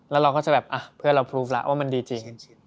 แล้วเราก็จะแบบเพื่อนเราพลูฟแล้วว่ามันดีจริง